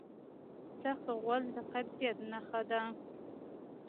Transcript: سخت غول د قبض نښه ده.